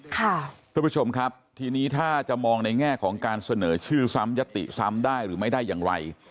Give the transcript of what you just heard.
คุณผู้ชมครับทีนี้ถ้าจะมองในแง่ของการเสนอชื่อซ้ำยติซ้ำได้หรือไม่ได้อย่างไร